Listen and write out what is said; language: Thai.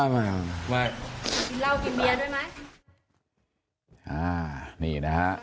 อ้านี่นะฮะ